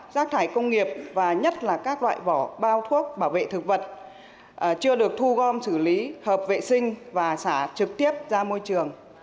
rác thải công nghiệp và nhất là các loại vỏ bao thuốc bảo vệ thực vật chưa được thu gom xử lý hợp vệ sinh và xả trực tiếp ra môi trường